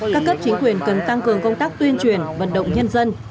các cấp chính quyền cần tăng cường công tác tuyên truyền vận động nhân dân